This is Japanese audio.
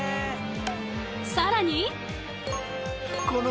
さらに。